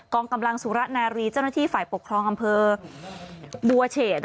องกำลังสุรนารีเจ้าหน้าที่ฝ่ายปกครองอำเภอบัวเฉด